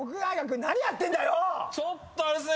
ちょっとあれですね。